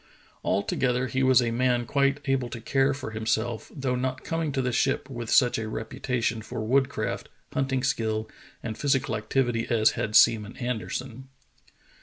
Altogether he was a man quite able to care for himself, though not coming to the ship with such a reputation for woodcraft, hunting skill, and physical activity as had Seaman Anderson.